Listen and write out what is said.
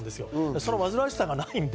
その煩わしさがないんで。